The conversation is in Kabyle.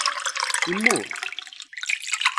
Immut?